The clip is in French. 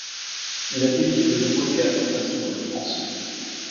Il a dirigé de nombreux théâtres nationaux de France.